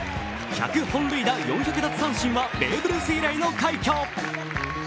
１００本塁打・４００奪三振はベーブ・ルース以来の快挙。